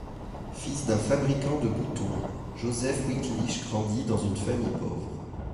Fils d'un fabricant de boutons, Josef Wittlich grandit dans une famille pauvre.